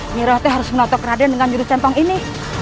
nyerahnya harus menotok raden dengan juru centang ini